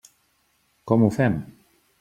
Com ho fem?